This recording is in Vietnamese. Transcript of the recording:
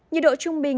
nhiệt độ trung bình